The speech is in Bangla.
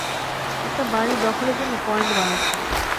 একটা বাড়ি দখলের জন্য, পয়েন্ট বানাচ্ছি।